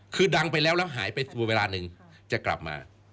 คือดังไปแล้วแล้วหายไปเวลาหนึ่งจะกลับมา